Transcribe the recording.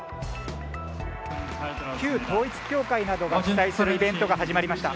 旧統一教会などが主催するイベントが始まりました。